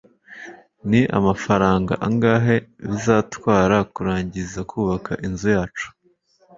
ni amafaranga angahe bizatwara kurangiza kubaka inzu yacu